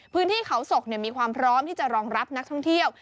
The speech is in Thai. พื้นที่เขาศกมีความพร้อมที่จะรองรับนักท่องเที่ยว